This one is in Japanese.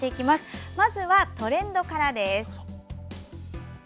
まずはトレンドからです。